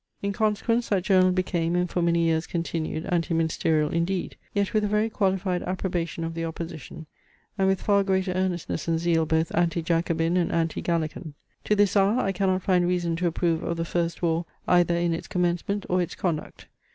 In consequence, that journal became and for many years continued anti ministerial indeed, yet with a very qualified approbation of the opposition, and with far greater earnestness and zeal both anti Jacobin and anti Gallican. To this hour I cannot find reason to approve of the first war either in its commencement or its conduct.